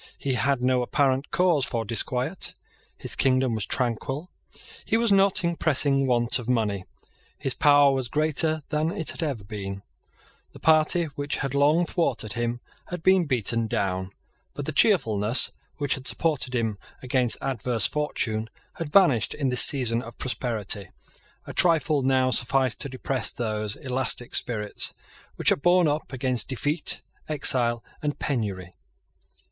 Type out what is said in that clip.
He had no apparent cause for disquiet. His kingdom was tranquil: he was not in pressing want of money: his power was greater than it had ever been: the party which had long thwarted him had been beaten down; but the cheerfulness which had supported him against adverse fortune had vanished in this season of prosperity. A trifle now sufficed to depress those elastic spirits which had borne up against defeat, exile, and penury.